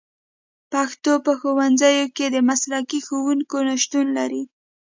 پښتو په ښوونځیو کې د مسلکي ښوونکو نشتون لري